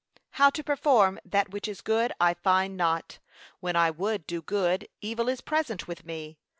'How to perform that which is good I find not;' 'when I would do good evil is present with me.'